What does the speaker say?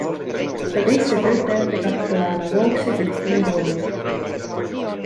Ka teiste töötajatega pole analoogseid juhtumeid olnud.